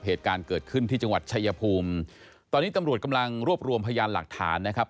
เหตุการณ์เกิดขึ้นที่จังหวัดชายภูมิตอนนี้ตำรวจกำลังรวบรวมพยานหลักฐานนะครับ